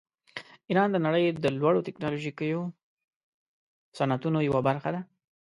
ایران د نړۍ د لوړو ټیکنالوژیکو صنعتونو یوه برخه ده.